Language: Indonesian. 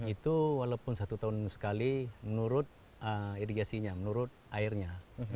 itu walaupun satu tahun sekali menurut irigasinya menurut airnya